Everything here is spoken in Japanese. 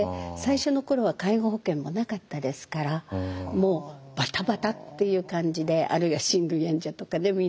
最初の頃は介護保険もなかったですからもうバタバタっていう感じであるいは親類縁者とかね